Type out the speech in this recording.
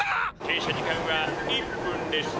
停車時間は１分です。